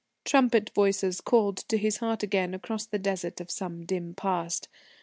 Trumpet voices called to his heart again across the desert of some dim past.